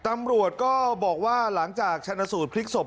ตำรวจก็บอกว่าหลังจากชนสูตรพลิกศพ